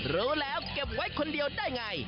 รู้แล้วเก็บไว้คนเดียวได้ไง